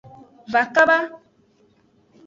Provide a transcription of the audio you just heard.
Va kaba.